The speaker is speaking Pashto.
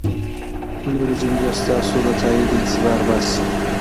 نورې جملې ستاسو د تایید انتظار باسي.